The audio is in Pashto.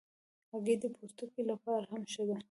هګۍ د پوستکي لپاره هم ښه ده.